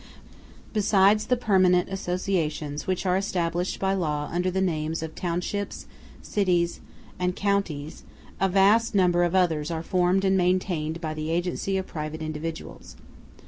Besides the permanent associations which are established by law under the names of townships, cities, and counties, a vast number of others are formed and maintained by the agency of private individuals.